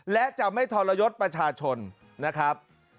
และจะไม่ทรยศประชาชนนะครับ